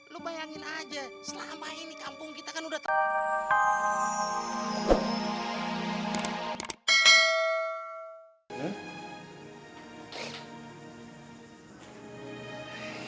lo bayangin aja selama ini kampung kita kan udah tua